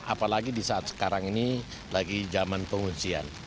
apalagi di saat sekarang ini lagi zaman penguncian